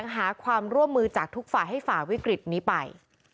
หาความร่วมมือจากทุกฝ่ายให้ฝ่าวิกฤตนี้ไป